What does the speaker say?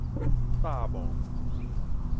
罩雺